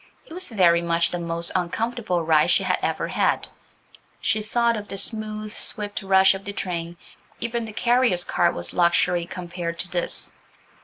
It was very much the most uncomfortable ride she had ever had. She thought of the smooth, swift rush of the train–even the carrier's cart was luxury compared to this.